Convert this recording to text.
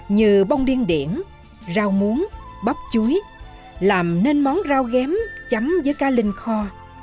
như bông điên điển rau muống bắp chuối làm nên món rau ghém chấm với cá linh kho